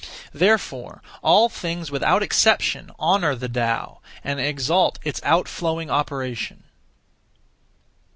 Therefore all things without exception honour the Tao, and exalt its outflowing operation.